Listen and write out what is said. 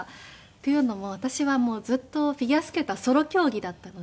というのも私はずっとフィギュアスケートはソロ競技だったので。